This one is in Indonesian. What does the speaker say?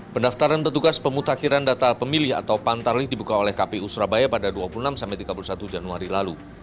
pendaftaran petugas pemutakhiran data pemilih atau pantarlih dibuka oleh kpu surabaya pada dua puluh enam tiga puluh satu januari lalu